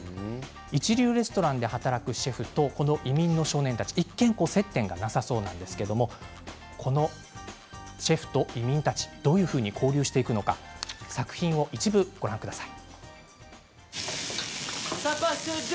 一流レストランで働くシェフと移民の少年たち一見、接点がなさそうなんですけれどもこのシェフと移民たちどう交流するのか作品の一部をご覧ください。